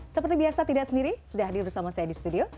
seperti biasa tidak sendiri sudah hadir bersama saya di studio